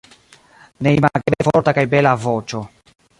Neimageble forta kaj bela voĉo.